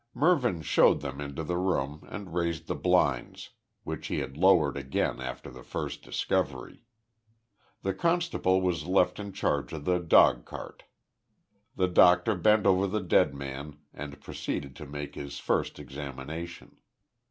Mervyn showed them into the room and raised the blinds, which he had lowered again after the first discovery. The constable was left in charge of the dogcart. The doctor bent over the dead man and proceeded to make his first examination.